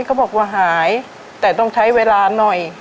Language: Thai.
เขาบอกว่าหายแต่ต้องใช้เวลาหน่อย